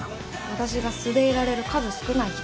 私が素でいられる数少ない一人なの。